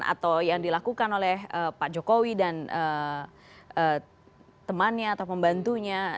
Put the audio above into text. atau yang dilakukan oleh pak jokowi dan temannya atau pembantunya